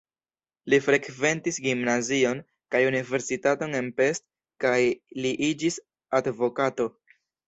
Li frekventis gimnazion kaj universitaton en Pest kaj li iĝis advokato.